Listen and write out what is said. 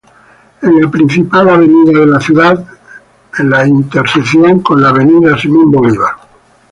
En la principal avenida de la ciudad, en la intersección con la Av.